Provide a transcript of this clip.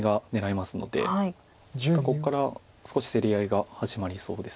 またここから少し競り合いが始まりそうです。